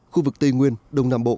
khu vực tây nguyên đông nam bộ